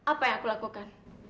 apa yang aku lakukan